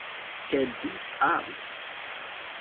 Quelle douce âme.